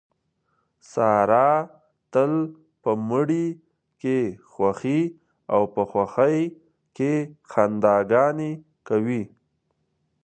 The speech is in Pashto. ساره تل په مړي کې خوښي او په خوښۍ کې خندا ګانې کوي.